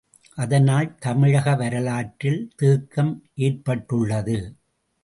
அதனால் தமிழக வரலாற்றில் தேக்கம் ஏற்பட்டுள்ளது.